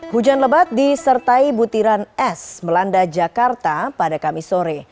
hujan lebat disertai butiran es melanda jakarta pada kamis sore